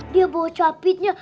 dia bawa capitnya